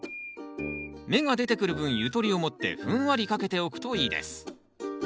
芽が出てくる分ゆとりを持ってふんわりかけておくといいです。